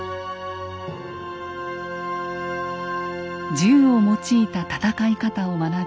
銃を用いた戦い方を学び